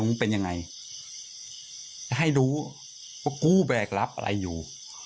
เป็นยังไงจะให้รู้ว่ากูแบกรับอะไรอยู่